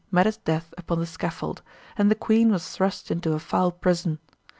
met his death upon the scaffold; and the queen was thrust into a foul prison.